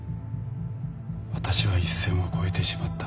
私は一線を越えてしまった